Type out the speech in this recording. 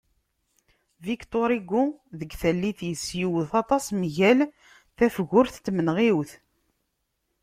Victor Hugo deg tallit-is iwet aṭas mgal tafgurt n tmenɣiwt.